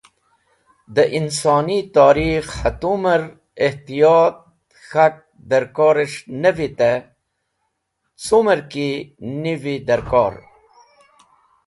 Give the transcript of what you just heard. Dẽ insoni torikh hatumer ehtiyot k̃hak darkores̃h ne vite, cumer ki niv darkor.